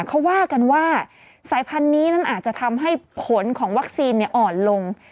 เขาว่ากันว่าสายพันธุ์นี้นั้นอาจจะทำให้ผลของวัคซีนอ่อนลง